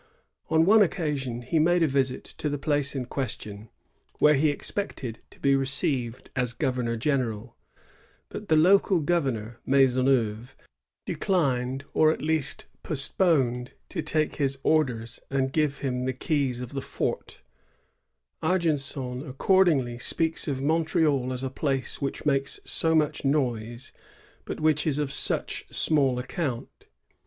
On one occasion he made a visit to the place in question, where he expected to be received as gov ernor general ; but the local governor, Maisonneuve, 1 Papieri d* Argenson, 21 Oct,, 1669. 1T6 LAVAL AND AVAUGOUR. [1668 BO. deolinedf or at least postponed^ to take his ordeis and give him the keys of the fort Aigenson aocord ingly speaks of Montreal as ^ a place which makes so much noise, but which is of such small account."